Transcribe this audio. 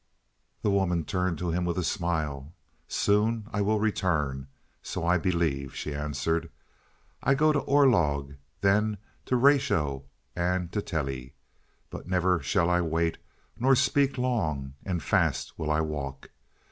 The woman turned to him with a smile. "Soon will I return, so I believe," she answered. "I go to Orlog, to Raito, and to Tele. But never shall I wait, nor speak long, and fast will I walk....